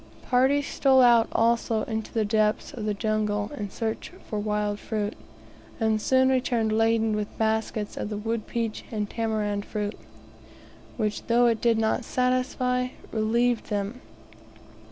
Parties stole out also into the depths: of the jungle to search for wild fruit, and soon returned laden with baskets of the wood peach and tamarind fruit, which though it did not satisfy, relieved them.